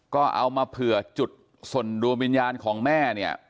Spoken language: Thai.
ก็เอามาเผื่อจุดส่วนดวงวิญญาณของแม่เนี่ย